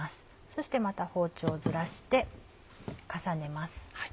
そしてまた包丁をずらして重ねます。